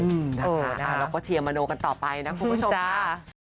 เราก็เชียร์มโนกันต่อไปนะคุณผู้ชมค่ะ